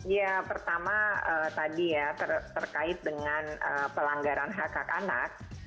ya pertama tadi ya terkait dengan pelanggaran hak hak anak